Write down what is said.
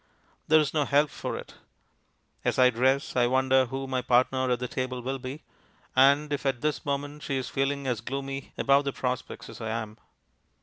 There is no help for it. As I dress, I wonder who my partner at the table will be, and if at this moment she is feeling as gloomy about the prospects as I am.